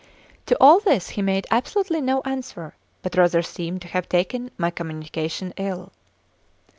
To all this he made absolutely no answer, but rather seemed to have taken my communication ill.